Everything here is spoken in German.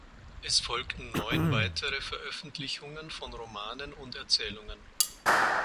Es folgten neun weitere Veröffentlichungen von Romanen und Erzählungen.